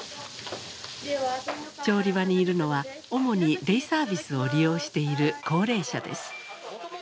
調理場にいるのは主にデイサービスを利用している高齢者です。